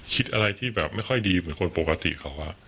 คิดอะไรที่แบบไม่ค่อยดีเหมือนคนปกติเขา